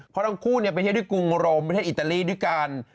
เพราะทั้งคู่ไปเที่ยวที่กรุงโรมประเทศอิตาลีด้วยกัน